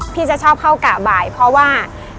พี่จะชอบเข้ากะบ่ายเพราะว่า